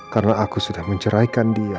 karena aku sudah menceraikan dia